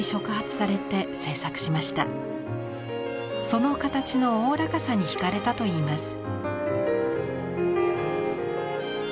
その形のおおらかさに惹かれたといいます。